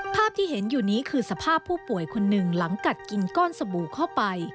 ภาพที่เห็นอยู่นี้คือสภาพผู้ป่วยคนหนึ่งหลังกัดกินก้อนสบู่เข้าไป